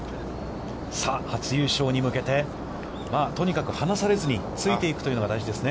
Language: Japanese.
さあ、初優勝に向けて、とにかく離されずについていくというのが大事ですね。